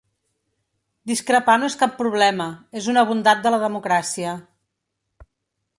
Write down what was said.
Discrepar no és cap problema, és una bondat de la democràcia.